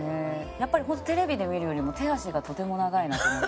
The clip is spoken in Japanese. やっぱり本当テレビで見るよりも手足がとても長いなと思った。